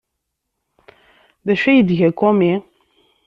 D acu ay d-tga Kumi?